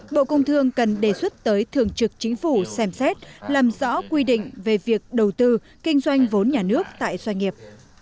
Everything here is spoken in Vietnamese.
bộ công thương cần đề xuất tới thường trực chính phủ xem xét làm rõ quy định về việc đầu tư kinh doanh vốn nhà nước tại doanh nghiệp